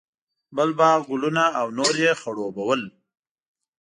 بل باغ، ګلونه او نور یې خړوبول.